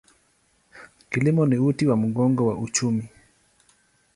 Kilimo ni uti wa mgongo wa uchumi.